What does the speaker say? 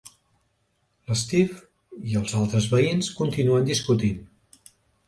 L'Steve i els altres veïns continuen discutint.